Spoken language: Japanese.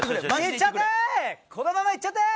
このままイっちゃってー！